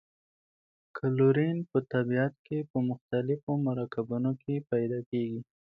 کلورین په طبیعت کې په مختلفو مرکبونو کې پیداکیږي.